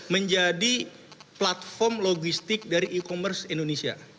menjadi platform logistik dari e commerce indonesia